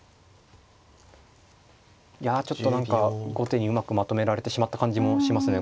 いやちょっと何か後手にうまくまとめられてしまった感じもしますね